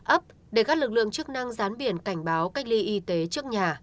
ấp để các lực lượng chức năng dán biển cảnh báo cách ly y tế trước nhà